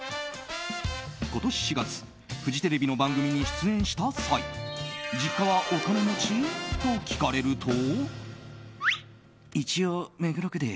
今年４月フジテレビの番組に出演した際実家はお金持ち？と聞かれると。